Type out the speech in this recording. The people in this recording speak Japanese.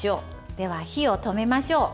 では、火を止めましょう。